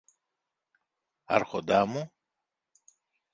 Άρχοντα μου;